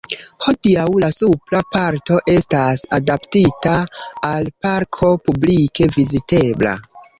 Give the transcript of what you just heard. Hodiaŭ la supra parto estas adaptita al parko publike vizitebla.